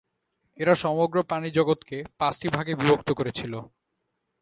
এরা সমগ্র প্রাণিজগৎকে পাঁচটি ভাগে বিভক্ত করেছিল।